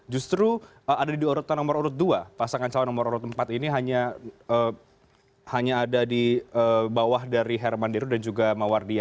justru ada di urutan nomor urut dua pasangan calon nomor urut empat ini hanya ada di bawah dari herman diro dan juga mawardiyah